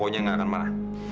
pokoknya gak akan marah